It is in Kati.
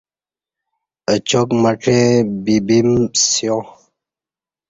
اچاک مڄیں بیبم سیا